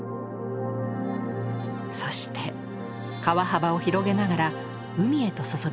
そして川幅を広げながら海へと注ぎます。